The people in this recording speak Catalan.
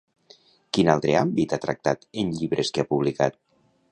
Quin altre àmbit ha tractat en llibres que ha publicat?